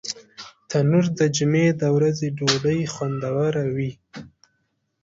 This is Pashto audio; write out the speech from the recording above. تنور د جمعې د ورځې ډوډۍ خوندوروي